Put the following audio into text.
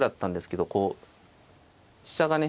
こう飛車がね